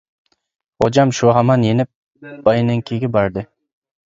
خوجام شۇ ھامان يېنىپ باينىڭكىگە باردى.